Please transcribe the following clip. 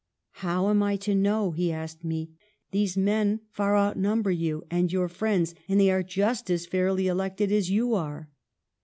" How am I to know t " he asked me. " These men far outnumber you and your friends, and they are just as fairly elected as you are."